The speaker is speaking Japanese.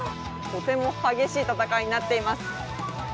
とても激しい戦いになっています。